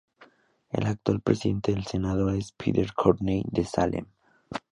El actual presidente del Senado es Peter Courtney de Salem.